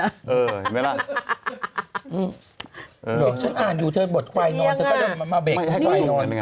ผมลองอ่านอยู่เธอบทควายนอนมันมาเบ็ดควายนอน